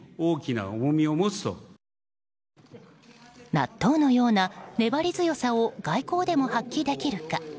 納豆のような粘り強さを外交でも発揮できるか。